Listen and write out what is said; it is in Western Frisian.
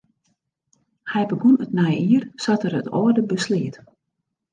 Hy begûn it nije jier sa't er it âlde besleat.